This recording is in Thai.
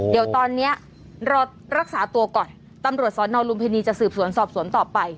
เดี๋ยวตอนนี้รอรักษาตัวก่อนตำรวจสอนอลุมพินีจะสืบสวนสอบสวนต่อไป